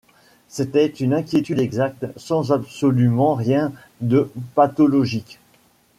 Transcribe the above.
C’était une inquiétude exacte, sans absolument rien de pathologique.